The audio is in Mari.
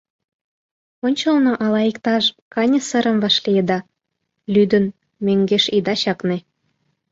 Ончылно ала иктаж каньысырым вашлийыда: лӱдын, мӧҥгеш ида чакне!